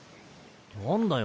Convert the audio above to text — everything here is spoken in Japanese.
何だよ